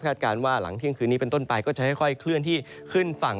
การว่าหลังเที่ยงคืนนี้เป็นต้นไปก็จะค่อยเคลื่อนที่ขึ้นฝั่ง